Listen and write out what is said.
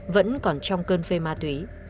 vẫn còn trong cơn phê ma túy